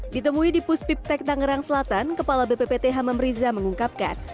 ditemui di puspiptek tangerang selatan kepala bppt hamam riza mengungkapkan